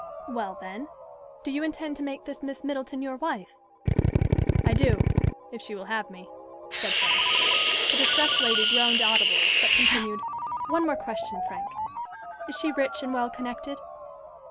"Well then, do you intend to make this Miss Middleton your wife?" "I do, if she will have me," said Frank. The distressed lady groaned audibly, but continued, "One more question, Frank. Is she rich and well connected?"